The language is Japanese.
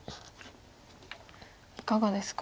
いかがですか